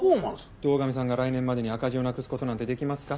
堂上さんが来年までに赤字をなくす事なんてできますか？